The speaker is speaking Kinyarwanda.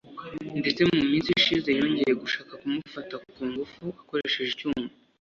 ndetse mu minsi ishize yongeye gushaka kumufata ku ngufu akoresheje icyuma